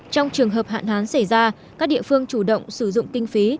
trong trường hợp hạn hán xảy ra các địa phương chủ động sử dụng kinh phí